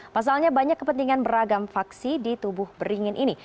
pasalnya banyak kepentingan beragam faksi di tubuh beringin ini